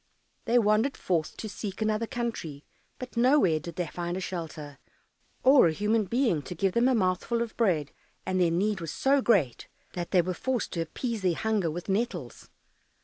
They wandered forth to seek another country, but nowhere did they find a shelter, or a human being to give them a mouthful of bread, and their need was so great that they were forced to appease their hunger with nettles.